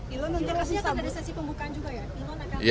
elon nanti harusnya akan ada sesi pembukaan juga ya